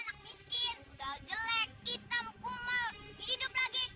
kamu itu bener bener